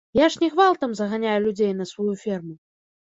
Я ж не гвалтам заганяю людзей на сваю ферму.